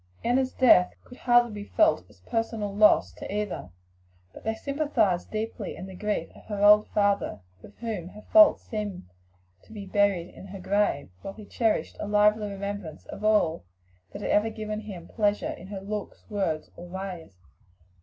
Enna's death could hardly be felt as a personal loss by either, but they sympathized deeply in the grief of her old father, with whom her faults seemed to be buried in her grave, while he cherished a lively remembrance of all that had ever given him pleasure in her looks, words, or ways.